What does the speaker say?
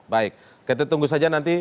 baik kita tunggu saja nanti